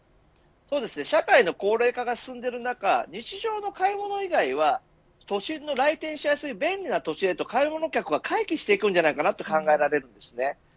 社会の高齢化が進む中日常の買い物以外は都心の来店しやすい便利な土地へと買い物客が回帰していくのではないかと考えられます。